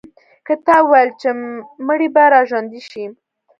کتاب وویل چې مړي به را ژوندي شي.